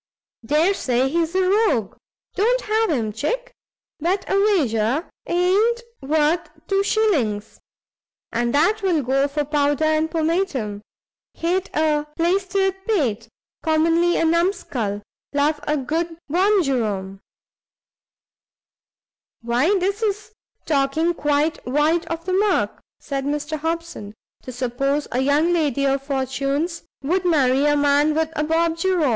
"Dare say he's a rogue! don't have him, chick. Bet a wager i'n't worth two shillings; and that will go for powder and pomatum; hate a plaistered pate; commonly a numscull: love a good bob jerom." "Why this is talking quite wide of the mark," said Mr Hobson, "to suppose a young lady of fortunes would marry a man with a bob jerom.